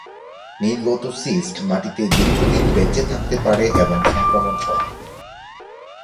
নির্গত সিস্ট মাটিতে দীর্ঘদিন বেঁচে থাকতে পারে এবং সংক্রমণ ছড়ায়।